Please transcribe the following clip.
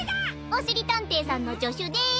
おしりたんていさんのじょしゅです。